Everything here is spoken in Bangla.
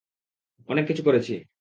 অনেক কিছু করেছি।